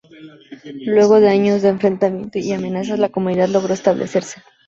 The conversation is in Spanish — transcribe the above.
Luego de años de enfrentamientos y amenazas, la comunidad logró establecerse.